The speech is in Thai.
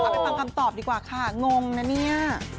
ไปฟังคำตอบดีกว่าค่ะงงนะเนี่ย